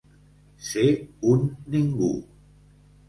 Ser un ningú.